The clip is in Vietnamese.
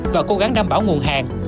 và cố gắng đảm bảo nguồn hàng